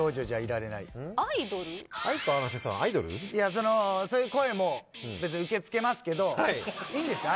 いやそういう声も別に受け付けますけどいいんです。